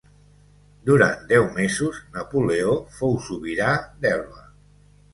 Durant deu mesos Napoleó fou sobirà d'Elba.